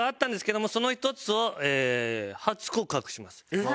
えっ！